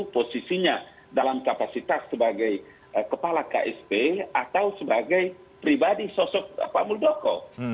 posisinya dalam kapasitas sebagai kepala ksp atau sebagai pribadi sosok pak muldoko